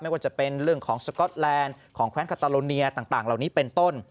ว่าจะเป็นเรื่องของสก๊อตแลนด์ของแควนคาตาโลเนียต่างเหล่านี้เป็นต้น